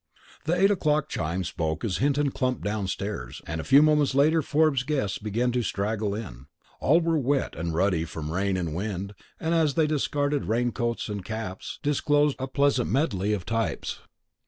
The eight o'clock chimes spoke as Hinton clumped downstairs, and a few moments later Forbes's guests began to straggle in. All were wet and ruddy from rain and wind, and, as they discarded raincoats and caps, disclosed a pleasant medley of types.